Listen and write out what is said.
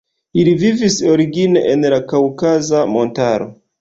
Ili vivis origine en la Kaŭkaza montaro.